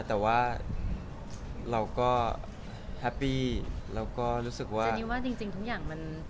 แต่ว่าเราก็เราก็รู้สึกว่าจริงจริงทุกอย่างมัน